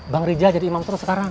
bang ritched jadi imam there sekarang